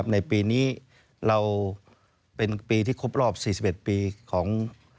ในปีนี้เราเป็นปีที่ครบรอบ๔๑ปีของ